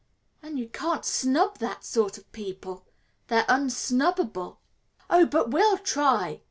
And you can't snub that sort of people; they're unsnubbable." "Oh, but we'll try!"